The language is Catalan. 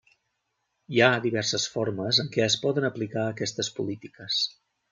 Hi ha diverses formes en què es poden aplicar aquestes polítiques.